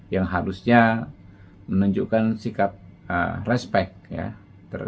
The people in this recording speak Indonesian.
yang harusnya menunjukkan sikap respect ya